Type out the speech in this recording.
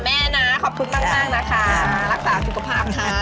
รักษาสุขภาพค่ะ